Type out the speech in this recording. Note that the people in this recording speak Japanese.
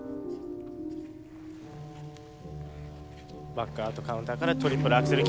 バックアウトカウンターからトリプルアクセル